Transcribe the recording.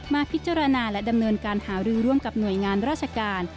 พิจารณาและดำเนินการหารือร่วมกับหน่วยงานราชการ